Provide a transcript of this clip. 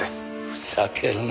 ふざけるな。